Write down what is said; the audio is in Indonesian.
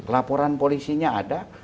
laporan polisinya ada